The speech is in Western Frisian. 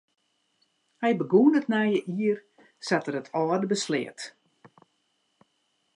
Hy begûn it nije jier sa't er it âlde besleat.